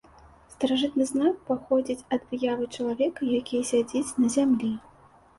Старажытны знак паходзіць ад выявы чалавека, які сядзіць на зямлі.